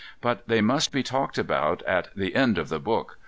But they must be talked about at the end of the book.